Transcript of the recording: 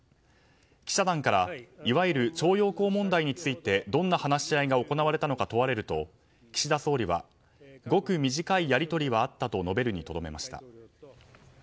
記者団からいわゆる徴用工問題についてどんな話し合いが行われたのか問われると岸田総理はごく短いやり取りはあったと述べるにとどめました。